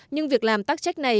nhưng việc làm tác trách này